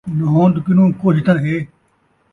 نہون٘د کنوں کجھ تاں ہے